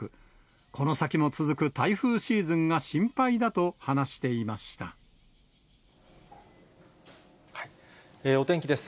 この先も続く台風シーズンが心配お天気です。